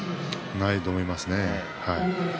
ないと思います。